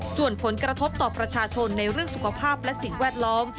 ส่วนผลกระทบต่อประชาชนในเรื่องสุขภาพและสิ่งแวดล้อม